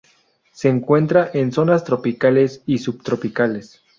Se encuentra en zonas tropicales y subtropicales.